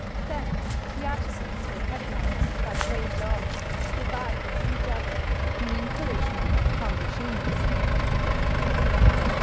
Then the artizans were patronized by great lords who vied with each other in the encouragement of humble genius.